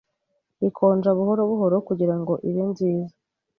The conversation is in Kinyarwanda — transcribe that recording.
ikonja buhoro buhoro kugirango ibe nziza